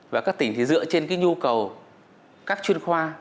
và các tỉnh thì dựa trên cái nhu cầu các chuyên khoa